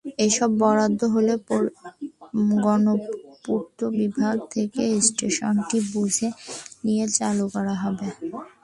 এসব বরাদ্দ হলে গণপূর্ত বিভাগ থেকে স্টেশনটি বুঝে নিয়ে চালু করা হবে।